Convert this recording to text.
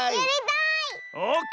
オーケー！